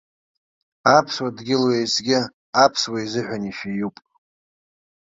Аԥсуа дгьыл уеизгьы аԥсуа изыҳәан ишәиуп.